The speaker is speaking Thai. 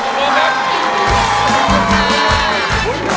โฟค่ะนะครับไอหนุ่มหมอหลังนะครับ